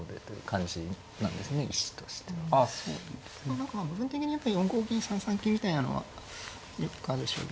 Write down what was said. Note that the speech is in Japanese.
何か部分的にやっぱ４五銀３三金みたいなのはよくある将棋。